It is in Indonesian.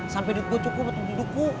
sampai duit gue cukup aku duduk